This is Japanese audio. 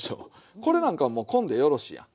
これなんかもうこんでよろしいやん。